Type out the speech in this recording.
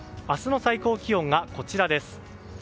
明日の最高気温がこちらです。